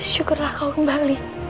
syukurlah kau kembali